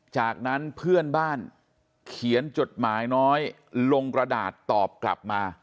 จากนั้นเพื่อนบ้านเขียนจดหมายน้อยลงกระดาษตอบกลับมา